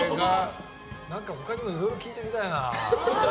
何か他にもいろいろ聞いてみたいな。